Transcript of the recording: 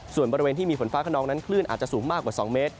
ส่วนบริเวณที่มีฝนฟ้าขนองนั้นคลื่นอาจจะสูงมากกว่า๒เมตร